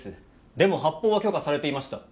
でも発砲は許可されていました。